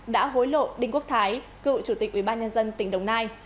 đã hối lộ đinh quốc thái cựu chủ tịch ubnd tỉnh đồng nai